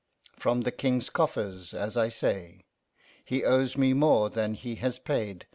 'From the King's coffers, as I say; he owes me more than he has paid.